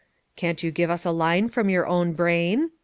"Can't you give us a line from your own brain?"